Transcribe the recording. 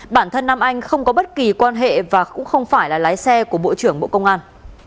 bản thân nam anh không có bất kỳ quan hệ và cũng không phải là lái xe của bộ trưởng bộ công an